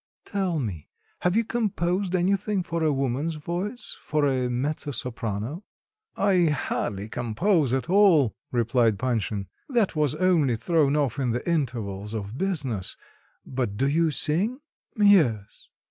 "Tell me, have you composed anything for a woman's voice, for a mezzo soprano?" "I hardly compose at all," replied Panshin. "That was only thrown off in the intervals of business... but do you sing?" "Yes."